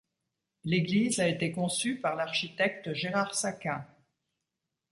L'église a été conçue par l'architecte Gérard Sacquin.